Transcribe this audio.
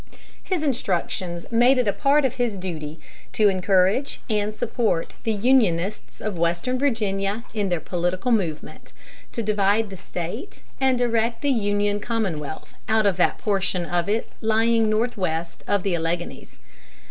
His instructions made it a part of his duty to encourage and support the Unionists of Western Virginia in their political movement to divide the State and erect a Union commonwealth out of that portion of it lying northwest of the Alleghanies.